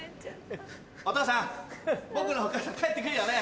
お父さん僕のお母さん帰って来るよね？